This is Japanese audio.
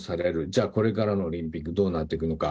じゃあこれからのオリンピックどうなっていくのか。